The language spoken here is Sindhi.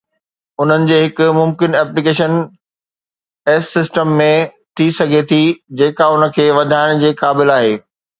انهي جي هڪ ممڪن ايپليڪيشن ايس سسٽم ۾ ٿي سگهي ٿي جيڪا ان کي وڌائڻ جي قابل آهي